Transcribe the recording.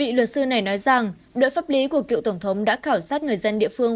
nghị luật sư này nói rằng đội pháp lý của cựu tổng thống đã khảo sát người dân địa phương